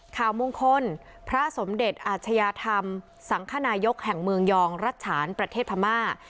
ข่าวมงคลพระสมเด็จอาชญาธรรมสังคนายกแห่งเมืองยองรัชฉานประเทศพม่า